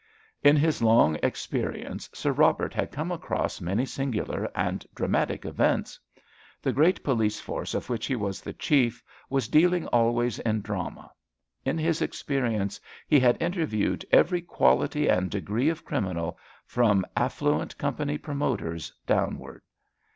In his long experience Sir Robert had come across many singular and dramatic events. The great police force of which he was the chief was dealing always in drama. In his experience he had interviewed every quality and degree of criminal, from affluent company promoters downward.